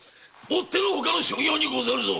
もっての外の所業でござるぞ。